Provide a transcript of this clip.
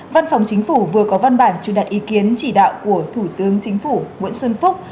văn phòng chính phủ vừa có văn bản truyền đặt ý kiến chỉ đạo của thủ tướng chính phủ nguyễn xuân phúc